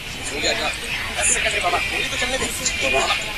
خدايه په دې شریر بازار کي رڼایي چیري ده.